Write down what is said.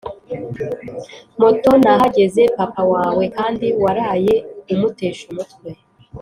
moto nahageze papa wawe kandi waraye umutesha umutwe